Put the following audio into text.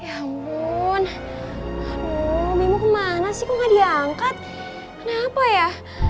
ya ampun bingung kemana sih kok nggak diangkat kenapa ya